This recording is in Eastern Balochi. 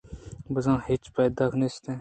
بزاں ہچ پائدگ نیست